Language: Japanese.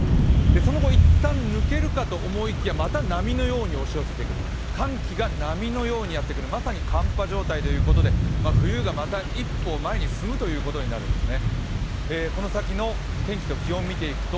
その後、いったん抜けるかと思いきやまた波のように押し寄せてくる、寒気が波のようにやってくるまさに寒波状態ということで、冬がまた一歩前に進むということになるんですね。